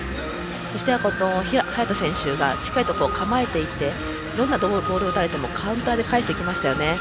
そして、早田選手がしっかりと構えていてどこに打たれてもカウンターで返していきましたね。